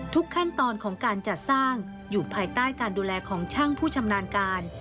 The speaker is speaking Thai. ขั้นตอนของการจัดสร้างอยู่ภายใต้การดูแลของช่างผู้ชำนาญการ